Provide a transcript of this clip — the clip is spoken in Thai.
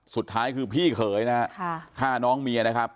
สุดท้ายคือพี่เขยนะฮะฆ่าน้องเมียนะครับ